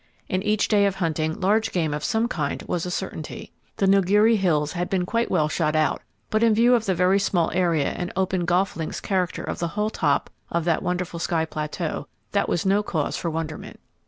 In each day of hunting, large game of some kind was a certainty. The Nilgiri Hills had been quite well shot out, but in view of the very small area and open, golf links character of the whole top of that wonderful sky plateau, that was no cause for wonderment.